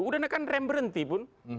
sudah kan rem berhenti pun